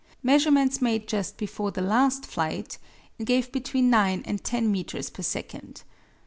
Measurements made just before the last flight gave between 9 and 10 meters per second.